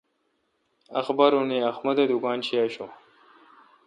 اخبارونے احمد اے° دکان شی آشوں۔